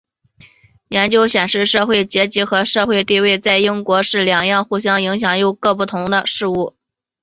研究显示社会阶级和社会地位在英国是两样相互影响又各有不同的事物。